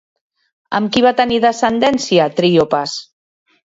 Amb qui va tenir descendència Tríopas?